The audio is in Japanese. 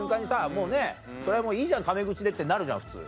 もうねそれはもういいじゃんタメ口でってなるじゃん普通。